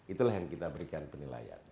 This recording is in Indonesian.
itulah yang kita berikan penilaian